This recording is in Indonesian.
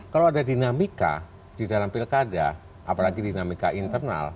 kalau ada dinamika di dalam pilkada apalagi dinamika internal